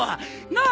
なあ？